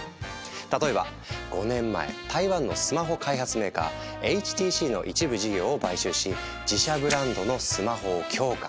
例えば５年前台湾のスマホ開発メーカーＨＴＣの一部事業を買収し自社ブランドのスマホを強化。